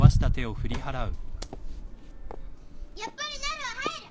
やっぱりなるは入る！